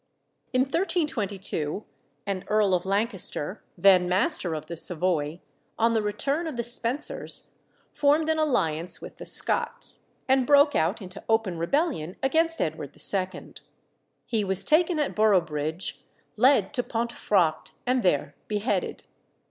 In 1322 an Earl of Lancaster, then master of the Savoy, on the return of the Spensers, formed an alliance with the Scots, and broke out into open rebellion against Edward II. He was taken at Boroughbridge, led to Pontefract, and there beheaded.